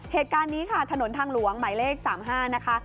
เหตุการณ์นี้ค่ะถนนทางหลวงหมายเลข๓๕นะคะ